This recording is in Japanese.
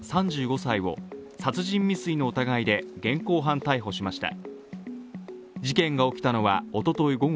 ３５歳を殺人未遂の疑いで現行犯逮捕しました。